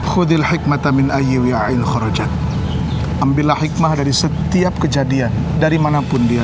khudil hikmata min ayiwiya'il khoroja ambillah hikmah dari setiap kejadian dari manapun dia